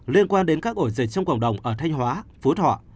liên quan đến các ổ dịch trong cộng đồng ở thanh hóa phú thọ